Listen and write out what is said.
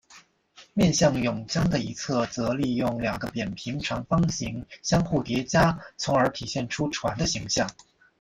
面向甬江的一侧则利用两个扁平长方形相互叠加从而体现出船的形象。